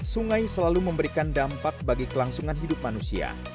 sungai selalu memberikan dampak bagi kelangsungan hidup manusia